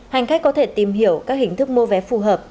hành khách có thể tìm hiểu các hình thức mua vé phù hợp